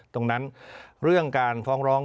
ตรงนั้นเรื่องการฟ้องร้อง